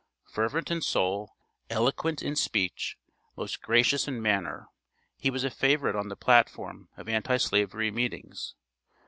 Fervent in soul, eloquent in speech, most gracious in manner, he was a favorite on the platform of Anti slavery meetings.